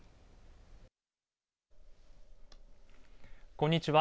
こんにちは。